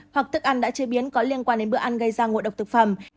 hoặc thức ăn đã chế biến có liên quan đến bữa ăn gây ra ngộ độc thực phẩm